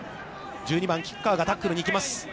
１２番キッカーがタックルに行きます。